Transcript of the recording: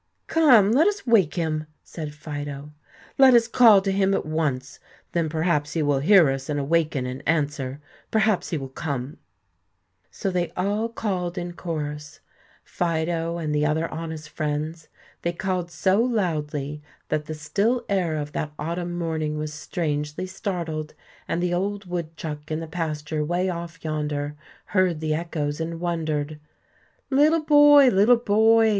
"Come, let us wake him," said Fido; "let us all call to him at once. Then perhaps he will hear us and awaken and answer; perhaps he will come." So they all called in chorus, Fido and the other honest friends. They called so loudly that the still air of that autumn morning was strangely startled, and the old woodchuck in the pasture 'way off yonder heard the echoes and wondered. "Little boy! little boy!"